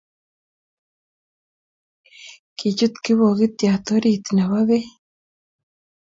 Kichut kipokitiot orit nebo pek